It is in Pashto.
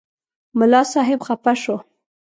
ملا صاحب خفه شو.